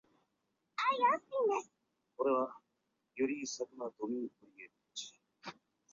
其制度可以追溯至西周时期。